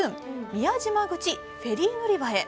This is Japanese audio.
宮島口フェリー乗り場へ。